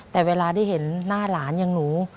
แต่เวลาได้เห็นหน้าหลานอย่างหนู